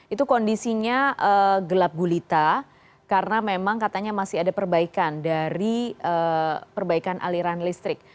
itu kondisinya gelap gulita karena memang katanya masih ada perbaikan dari perbaikan aliran listrik